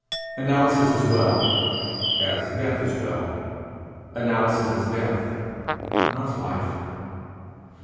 Analysis is well, as death is well; analysis is death, not life.